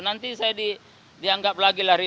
nanti saya dianggap lagi lari